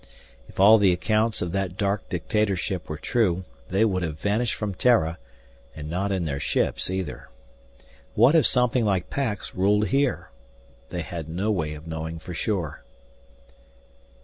If all the accounts of that dark dictatorship were true, they would have vanished from Terra, and not in their ships either. What if something like Pax ruled here? They had no way of knowing for sure.